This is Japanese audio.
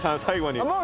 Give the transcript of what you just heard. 最後に。